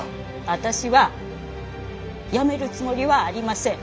私は辞めるつもりはありません。